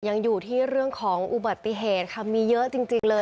ยังอยู่ที่เรื่องของอุบัติเหตุค่ะมีเยอะจริงเลย